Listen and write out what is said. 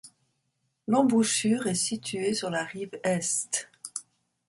L’embouchure est situé sur la rive Est.